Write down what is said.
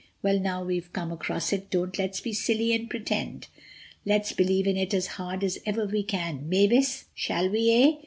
Well, now we've come across it, don't let's be silly and pretend. Let's believe in it as hard as ever we can. Mavis—shall we, eh?